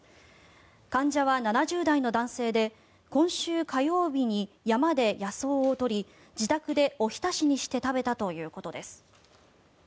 患者は７０代の男性で今週火曜日に山で野草を取り自宅でおひたしにして食べたということです。